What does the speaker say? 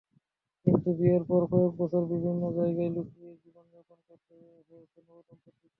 কিন্তু বিয়ের পরও কয়েক বছর বিভিন্ন জায়গায় লুকিয়ে জীবন যাপন করতে হয়েছে নবদম্পতিকে।